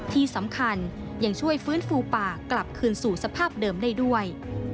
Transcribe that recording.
ที่สำคัญยังช่วยฟื้นฟูป่ากลับคืนสู่สภาพเดิมได้ด้วย